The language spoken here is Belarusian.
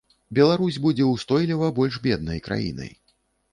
Беларусь будзе устойліва больш беднай краінай.